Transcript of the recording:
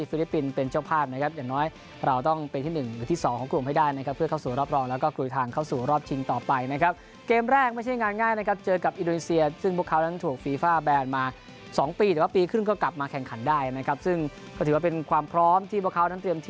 ซึ่งก็ถือว่าเป็นความพร้อมที่พวกเขานั้นเตรียมทีมมาอย่างต่อเนื่องถึงแม้ว่าจะไม่เข้ม